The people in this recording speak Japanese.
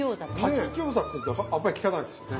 炊き餃子っていうのはあんまり聞かないですよね。